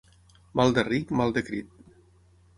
Mal de ric, mal de crit.